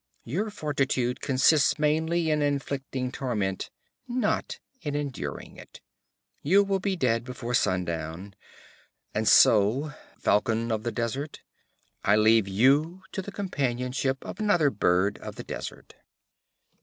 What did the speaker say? Your fortitude consists mainly in inflicting torment, not in enduring it. You will be dead before sundown. And so, Falcon of the desert, I leave you to the companionship of another bird of the desert.'